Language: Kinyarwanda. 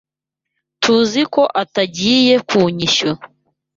TUZI ko atagiye kunyishyura.